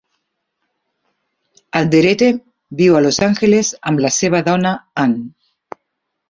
Alderete viu a Los Angeles amb la seva dona, Anne.